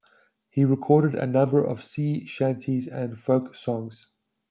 He recorded a number of sea shanties and folk songs.